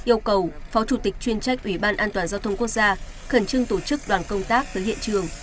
yêu cầu phó chủ tịch chuyên trách ủy ban an toàn giao thông quốc gia khẩn trương tổ chức đoàn công tác tới hiện trường